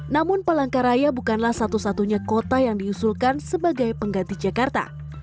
namun palangkaraya bukanlah satu satunya kota yang diusulkan sebagai pengganti jakarta